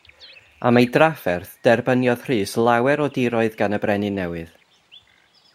Am ei drafferth, derbyniodd Rhys lawer o diroedd gan y brenin newydd.